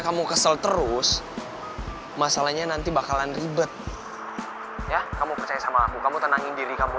kamu kesel terus masalahnya nanti bakalan ribet ya kamu percaya sama aku kamu tenangin diri kamu